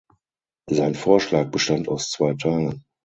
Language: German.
Sein Vorschlag bestand aus zwei Teilen.